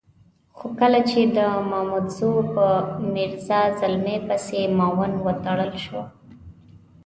خو کله چې د مامدزو په میرزا زلمي پسې معاون وتړل شو.